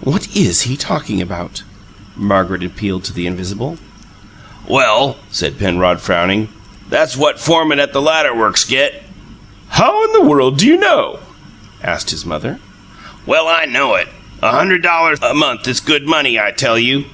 "What IS he talking about!" Margaret appealed to the invisible. "Well," said Penrod, frowning, "that's what foremen at the ladder works get." "How in the world do you know?" asked his mother. "Well, I KNOW it! A hunderd dollars a month is good money, I tell you!"